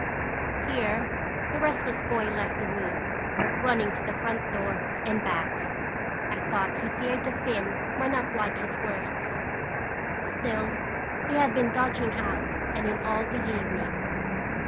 Here the restless boy left the room, run ning to the front door and back. I thought he feared the Finn might not like his words ; still he had been dodging out and in all the evening.